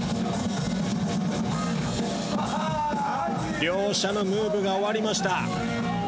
両者のムーブが終わりました。